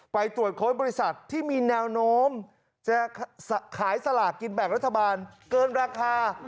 ไปตรวจค้นบริษัทที่มีแนวโน้มจะขายสลากกินแบ่งรัฐบาลเกินราคา